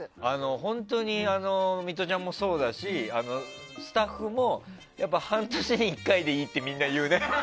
本当にミトちゃんもそうだしスタッフも半年に１回でいいってみんな言うね。